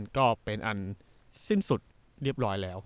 ก็เป็นอันสิ้นสุดเรียบร้อยแล้ว